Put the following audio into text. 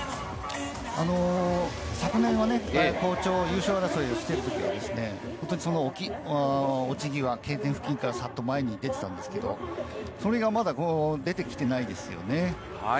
昨年は、優勝争いをしている時、落ち際、Ｋ点付近から前に出ていたんですけれど、それがまだ出てきていないですよね。